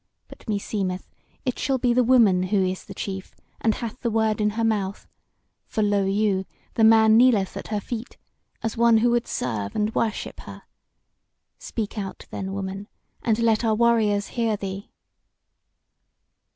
But, meseemeth, it shall be the woman who is the chief and hath the word in her mouth; for, lo you! the man kneeleth at her feet, as one who would serve and worship her. Speak out then, woman, and let our warriors hear thee."